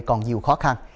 còn nhiều khó khăn